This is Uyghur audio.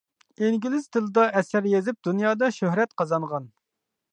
ئىنگلىز تىلىدا ئەسەر يېزىپ دۇنيادا شۆھرەت قازانغان.